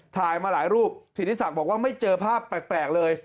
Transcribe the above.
ถ่ายมาหลายรูปธิศักดิ์บอกว่าไม่เจอภาพแปลกเลย